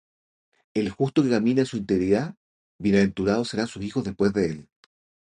El justo que camina en su integridad, Bienaventurados serán sus hijos después de él.